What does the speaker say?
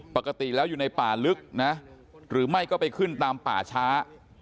ปกติแล้วอยู่ในป่าลึกนะหรือไม่ก็ไปขึ้นตามป่าช้า